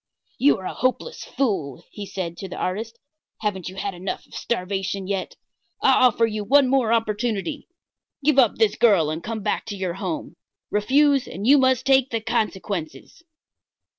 "You are a hopeless fool," he said to the artist. "Haven't you had enough of starvation yet? I offer you one more opportunity. Give up this girl and come back to your home. Refuse, and you must take the consequences."